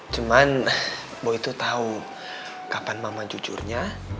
cuma bu itu tahu kapan mama jujurnya